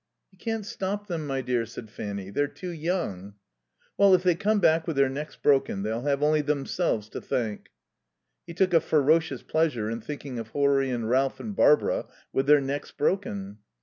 "You can't stop them, my dear," said Fanny; "they're too young." "Well, if they come back with their necks broken they'll have only themselves to thank." He took a ferocious pleasure in thinking of Horry and Ralph and Barbara with their necks broken.